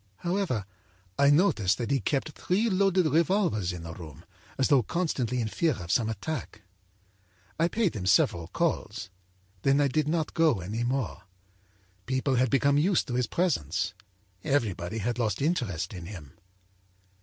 âHowever, I noticed that he kept three loaded revolvers in the room, as though constantly in fear of some attack. âI paid him several calls. Then I did not go any more. People had become used to his presence; everybody had lost interest in him.